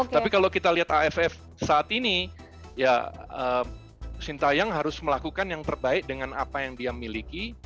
tapi kalau kita lihat aff saat ini ya sintayang harus melakukan yang terbaik dengan apa yang dia miliki